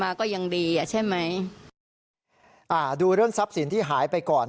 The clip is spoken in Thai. อ่าดูเรื่องทรัพย์สินที่หายไปก่อน